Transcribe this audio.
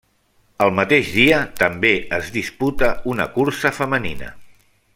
El mateix dia també es disputa una cursa femenina.